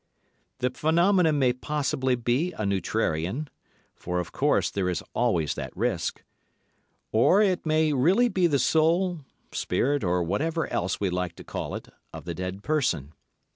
The phenomenon may possibly be a neutrarian—for, of course, there is always that risk—or it may really be the soul, spirit, or whatever else we like to call it, of the dead person.